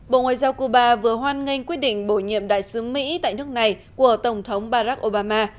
bộ ngoại giao cuba vừa hoan nghênh quyết định bổ nhiệm đại sứ mỹ tại nước này của tổng thống barack obama